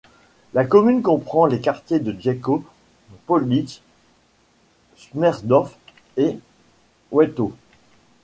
La commune comprend les quartiers de Gieckau, Pohlitz, Schmerdorf et Wethau.